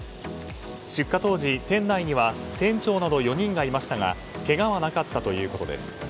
出火当時、店内には店長など４人がいましたがけがはなかったということです。